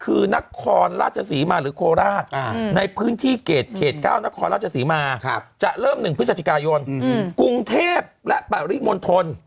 ซึ่งมันจะยุ่งยากตอนเอาใบส่งตัวเพราะว่าถ้าเกิดไม่มีใบส่งตัวเนี่ย